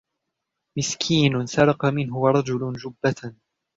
مِسْكِينٌ سَرَقَ مِنْهُ رَجُلٌ جُبَّةً